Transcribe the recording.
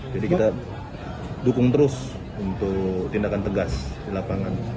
jadi kita dukung terus untuk tindakan tegas di lapangan